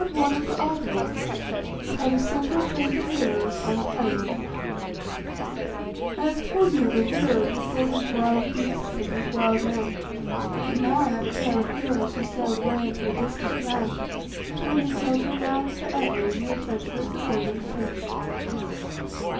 STORY II.—THE ARGONAUTS PART I HOW THE CENTAUR TRAINED THE HEROES ON PELION I have told you of a hero who fought with wild beasts and with wild men; but now I have a tale of heroes who sailed away into a distant land, to win themselves renown for ever, in the adventure of the Golden Fleece.